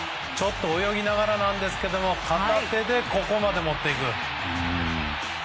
泳ぎながらなんですが片手でここまで持っていく。